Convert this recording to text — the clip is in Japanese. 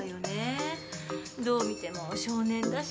どう見ても少年だし。